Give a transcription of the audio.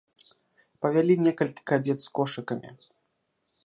Павялі некалькі кабет з кошыкамі.